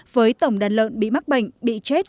với tổng đàn lợn bị mắc bệnh bị chết